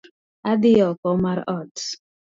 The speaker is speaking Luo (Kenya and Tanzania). Adhi oko mar ot